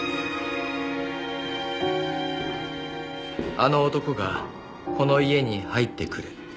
「あの男がこの家に入ってくる」